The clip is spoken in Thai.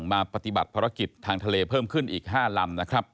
มาปฏิบัติภารกิจทางทะเลเพิ่มขึ้นอีก๕ลำนะครับ